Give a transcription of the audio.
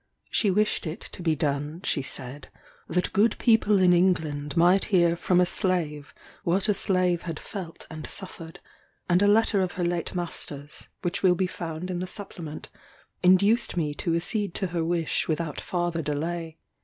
She wished it to be done, she said, that good people in England might hear from a slave what a slave had felt and suffered; and a letter of her late master's, which will be found in the Supplement, induced me to accede to her wish without farther delay.